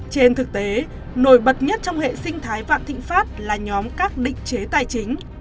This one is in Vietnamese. trên thực tế nổi bật nhất trong hệ sinh thái vạn thịnh pháp là nhóm các định chế tài chính